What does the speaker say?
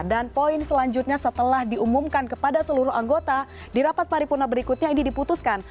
dan poin selanjutnya setelah diumumkan kepada seluruh anggota di rapat paripurna berikutnya ini diputuskan